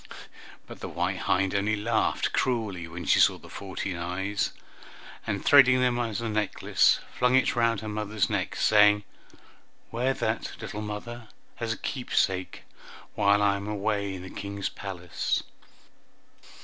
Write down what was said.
But the white hind only laughed cruelly when she saw the fourteen eyes, and threading them as a necklace, flung it round her mother's neck, saying, "Wear that, little mother, as a keepsake, while I am away in the King's palace."